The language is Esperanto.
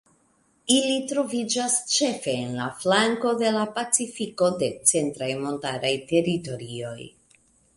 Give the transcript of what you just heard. Ili troviĝas ĉefe en la flanko de Pacifiko de centraj montaraj teritorioj.